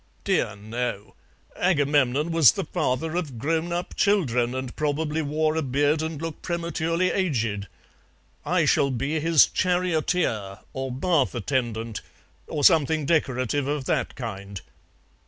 "Dear no. Agamemnon was the father of grown up children, and probably wore a beard and looked prematurely aged. I shall be his charioteer or bath attendant, or something decorative of that kind.